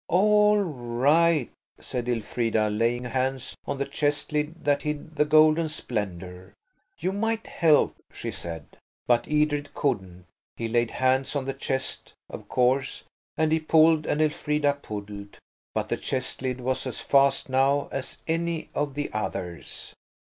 "All right," said Elfrida, laying hands on the chest lid that hid the golden splendour. "You might help," she said. But Edred couldn't. He laid hands on the chest, of course, and he pulled and Elfrida pulled, but the chest lid was as fast now as any of the others.